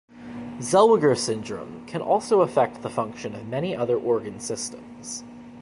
Zellweger syndrome can also affect the function of many other organ systems.